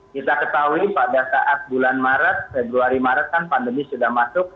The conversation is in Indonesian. kita ketahui pada saat bulan maret februari maret kan pandemi sudah masuk